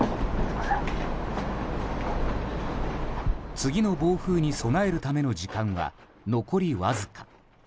次の暴風に備えるための時間は残りわずか。